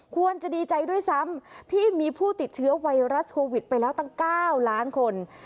ควรจะดีใจด้วยซ้ำที่มีผู้ติดเชื้อไวรัสโควิดไปแล้วตั้ง๙ล้านคน